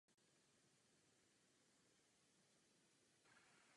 Přesto působí jako členka Finančního výboru a členka Komise sociální a zdravotní.